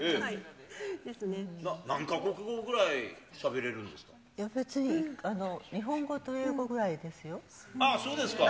何か国語ぐらいしゃべれるんやっぱり、日本語と英語ぐらああ、そうですか。